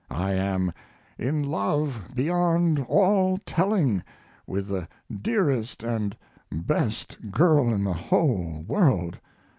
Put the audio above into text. I am in love beyond all telling with the dearest and best girl in the whole world.